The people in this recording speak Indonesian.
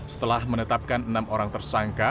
setelah menetapkan enam orang tersangka